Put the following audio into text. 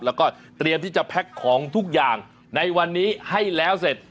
แล้วก็เตรียมที่จะแพ็คของทุกอย่างในวันนี้ให้แล้วเสร็จ